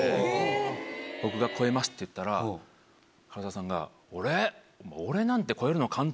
僕が「超えます」って言ったら唐沢さんが「俺？」。